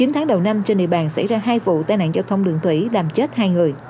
chín tháng đầu năm trên địa bàn xảy ra hai vụ tai nạn giao thông đường thủy làm chết hai người